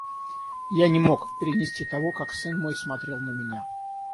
Я не мог перенести того, как сын мой смотрел на меня.